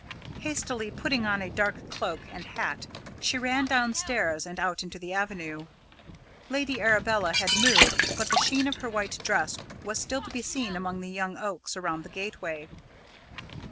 Hastily putting on a dark cloak and hat, she ran downstairs and out into the avenue. Lady Arabella had moved, but the sheen of her white dress was still to be seen among the young oaks around the gateway.